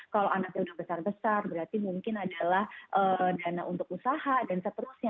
kalau anaknya sudah besar besar berarti mungkin adalah dana untuk usaha dan seterusnya